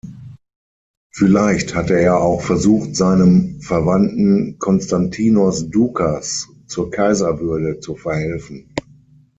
Vielleicht hatte er auch versucht, seinem Verwandten Konstantinos Dukas zur Kaiserwürde zur verhelfen.